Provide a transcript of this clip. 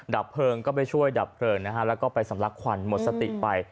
ดับเพลิงก็ไปช่วยดับเพลิงนะฮะแล้วก็ไปสำลักควันหมดสติไป